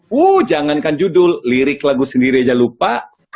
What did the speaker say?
wuh jangankan judul lirik lagu sendiri aja lupa